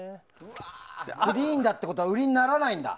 クリーンだということは売りにならないんだ。